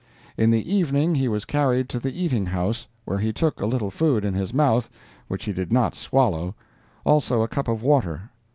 In the evening he was carried to the eating house, where he took a little food in his mouth which he did not swallow—also a cup of water.